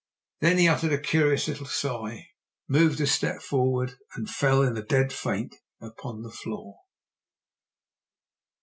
Then he uttered a curious little sigh, moved a step forward, and fell in a dead faint upon the floor.